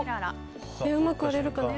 うまく割れるかな。